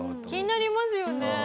気になりますよね。